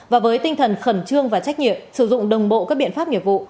và với tinh thần khẩn trương và trách nhiệm sử dụng đồng bộ các biện pháp nghiệp vụ